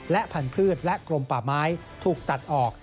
และพันธุ์และกรมป่าไม้ถูกตัดออก